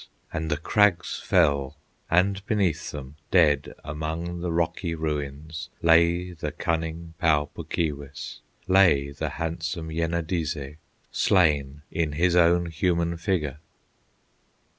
And the crags fell, and beneath them Dead among the rocky ruins Lay the cunning Pau Puk Keewis, Lay the handsome Yenadizze, Slain in his own human figure.